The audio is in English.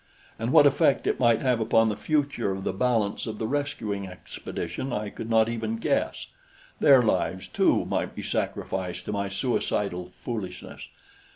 And what effect it might have upon the future of the balance of the rescuing expedition I could not even guess. Their lives, too, might be sacrificed to my suicidal foolishness.